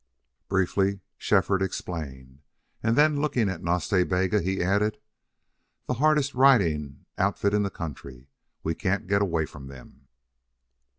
Briefly Shefford explained, and then, looking at Nas Ta Bega, he added: "The hardest riding outfit in the country! We can't get away from them."